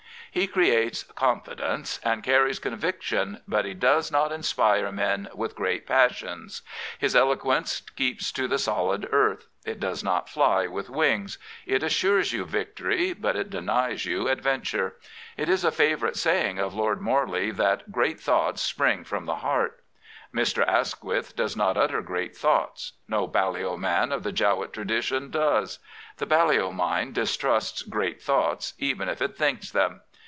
He creates confidence and carries conviction, but he does not inspire men with great passions. His elo quence keeps to the solid earth: it does not fly with wings. It assures you victory; but it denies you adventure. It is a favourite saying of Lord Morley 5<5 The Premier that " great tjioughts spring from the heart/' Mr. Asqtiith does not utter great thoughts. No Balliol man of the Jowett tradition does. The Balliol mind distrusts great thoughts " even if it thinks them.